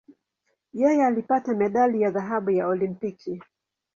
Yeye alipata medali ya dhahabu ya Olimpiki.